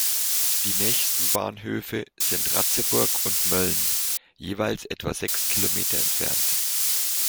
Die nächsten Bahnhöfe sind "Ratzeburg" und "Mölln," jeweils etwa sechs Kilometer entfernt.